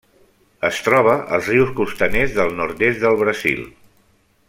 Es troba als rius costaners del nord-est del Brasil.